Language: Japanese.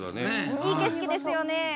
いい景色ですよね。